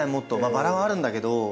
バラはあるんだけど。